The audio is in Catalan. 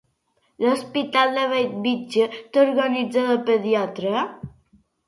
L'Hospital de Bellvitge té urgències de pediatria?